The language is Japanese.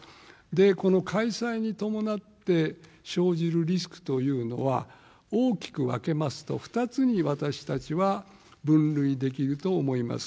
この開催に伴って生じるリスクというのは大きく分けますと、２つに私たちは分類できると思います。